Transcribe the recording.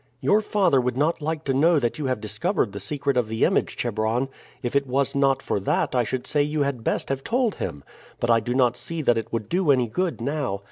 "Your father would not like to know that you have discovered the secret of the image, Chebron. If it was not for that I should say you had best have told him. But I do not see that it would do any good now.